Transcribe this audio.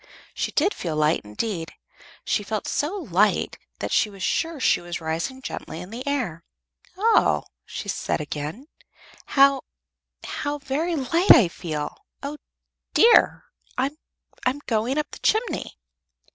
She did feel light, indeed. She felt so light that she was sure she was rising gently in the air. "Oh," she said again, "how how very light I feel! Oh, dear, I'm going up the chimney!"